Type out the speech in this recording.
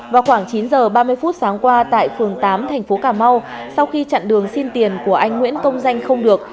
vào khoảng chín h ba mươi phút sáng qua tại phường tám thành phố cà mau sau khi chặn đường xin tiền của anh nguyễn công danh không được